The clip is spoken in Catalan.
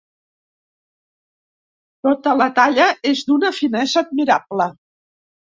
Tota la talla és d'una finesa admirable.